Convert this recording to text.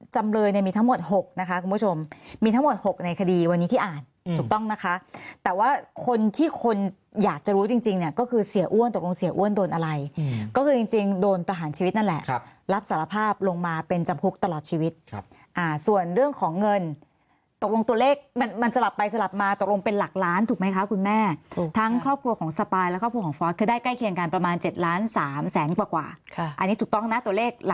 จริงก็คือเสียอ้วนตกลงเสียอ้วนโดนอะไรก็คือจริงโดนประหารชีวิตนั่นแหละรับสารภาพลงมาเป็นจำคุกตลอดชีวิตส่วนเรื่องของเงินตกลงตัวเลขมันมันสลับไปสลับมาตกลงเป็นหลักล้านถูกไหมคะคุณแม่ทั้งครอบครัวของสปายและครอบครัวของฟอสคือได้ใกล้เคียงกันประมาณ๗ล้าน๓แสนกว่ากว่าอั